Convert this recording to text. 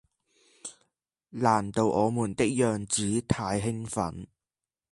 難道我們樣子太興奮